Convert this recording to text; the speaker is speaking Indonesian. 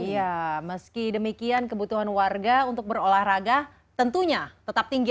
iya meski demikian kebutuhan warga untuk berolahraga tentunya tetap tinggi